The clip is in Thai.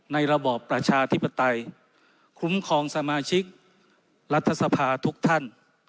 ระบอบประชาธิปไตยคุ้มครองสมาชิกรัฐสภาทุกท่าน